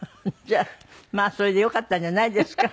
じゃあまあそれでよかったんじゃないですか。